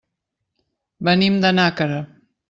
Venim de Nàquera.